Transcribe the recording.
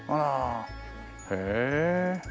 へえ。